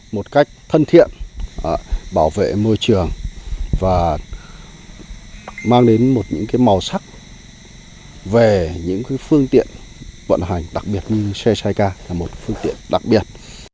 một cách thân thiện bảo vệ môi trường và mang đến một những màu sắc về những phương tiện vận hành đặc biệt như xe xay ca là một phương tiện đặc biệt